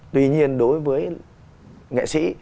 tuy nhiên đối với nghệ sĩ